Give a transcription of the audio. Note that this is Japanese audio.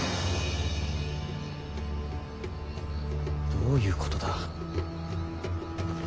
どういうことだ。